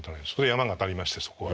山が当たりましてそこは。